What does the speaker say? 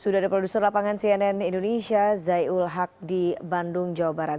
sudah ada produser lapangan cnn indonesia zaiul haq di bandung jawa barat